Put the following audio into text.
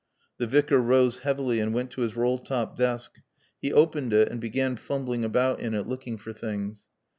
The Vicar rose heavily and went to his roll top desk. He opened it and began fumbling about in it, looking for things.